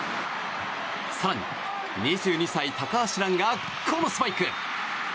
更に２２歳、高橋藍がこのスパイク！